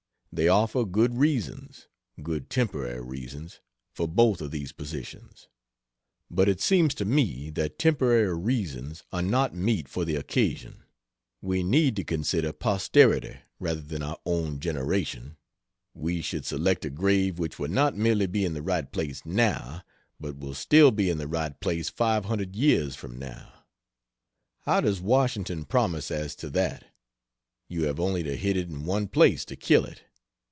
They offer good reasons good temporary reasons for both of these positions. But it seems to me that temporary reasons are not mete for the occasion. We need to consider posterity rather than our own generation. We should select a grave which will not merely be in the right place now, but will still be in the right place 500 years from now. How does Washington promise as to that? You have only to hit it in one place to kill it.